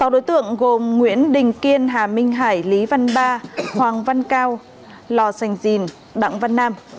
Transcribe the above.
sáu đối tượng gồm nguyễn đình kiên hà minh hải lý văn ba hoàng văn cao lò sành dìn đặng văn nam